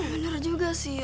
bener juga sih